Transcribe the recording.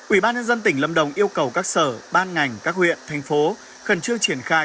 ubnd tỉnh lâm đồng yêu cầu các sở ban ngành các huyện thành phố khẩn trương triển khai